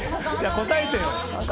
答えてよ！